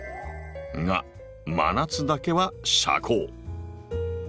が真夏だけは遮光。